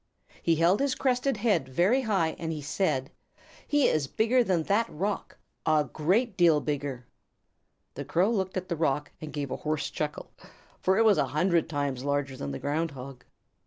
He held his crested head very high and said, "He is bigger than that rock, a great deal bigger." The Crow looked at the rock and gave a hoarse chuckle, for it was a hundred times larger than the Ground Hog.